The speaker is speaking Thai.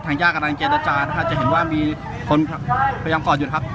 ย่ากำลังเจรจานะครับจะเห็นว่ามีคนพยายามกอดอยู่ครับ